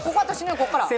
ここから！